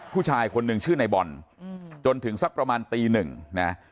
ผู้ชายคนหนึ่งชื่อในบอลจนถึงสักประมาณตีหนึ่งนะ